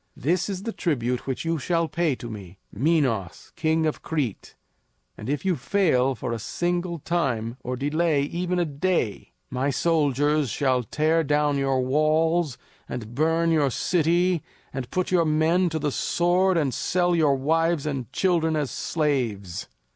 This is the tribute which you shall pay to me, Minos, king of Crete; and if you fail for a single time, or delay even a day, my soldiers shall tear down your walls and burn your city and put your men to the sword and sell your wives and children as slaves."